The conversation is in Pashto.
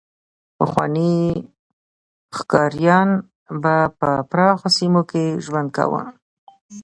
پخواني ښکاریان به په پراخو سیمو کې ژوند کاوه.